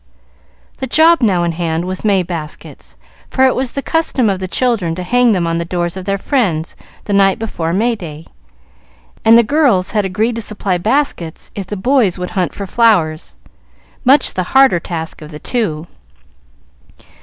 The job now in hand was May baskets, for it was the custom of the children to hang them on the doors of their friends the night before May day; and the girls had agreed to supply baskets if the boys would hunt for flowers, much the harder task of the two.